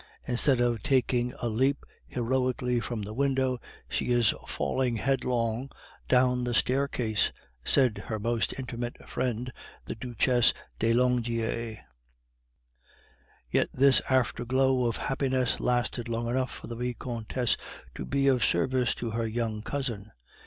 "Instead of taking a leap heroically from the window, she is falling headlong down the staircase," said her most intimate friend, the Duchesse de Langeais. Yet this after glow of happiness lasted long enough for the Vicomtesse to be of service to her young cousin.